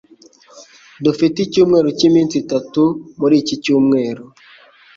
Dufite icyumweru cyiminsi itatu muri iki cyumweru.